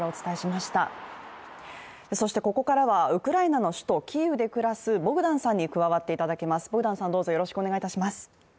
ここからはウクライナの首都キーウで暮らすボグダンさんに加わっていただきます。